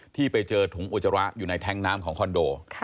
ที่ไปเจอถุงอุจจาระอยู่ในแท้งน้ำของคอนโด